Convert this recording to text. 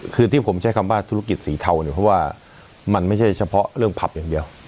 คือที่ผมใช้คำว่าธุรกิจสีเทาเนี่ยเพราะว่ามันไม่ใช่เฉพาะเรื่องผับอย่างเดียว